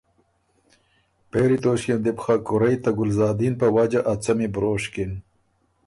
پېری توݭکيې ن دی بو خه کُورئ ته ګلزادین په وجه ا څمی بروشکِن